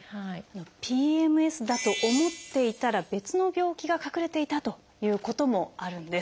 ＰＭＳだと思っていたら別の病気が隠れていたということもあるんです。